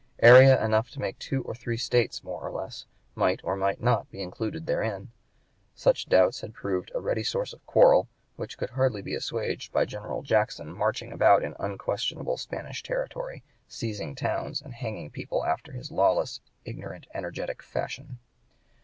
Area enough to make two or three States, more or less, might or might not be included therein. Such doubts had proved a ready source of quarrel, which could hardly be assuaged by General Jackson marching about in unquestionable Spanish territory, seizing towns and hanging people after his lawless, ignorant, energetic fashion.